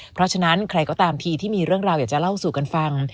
เพราะฉะนั้นใครก็ตามทีที่มีเรื่องราวอยากจะเล่าสู่กันฟัง